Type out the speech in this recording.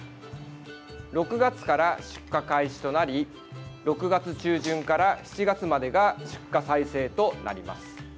６月から出荷開始となり６月中旬から７月までが出荷最盛となります。